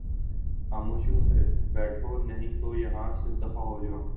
خاموشی سے بیٹھو نہیں تو یہاں سے دفعہ ہو جاؤ